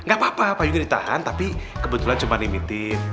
gapapa payungnya ditahan tapi kebetulan cuman limited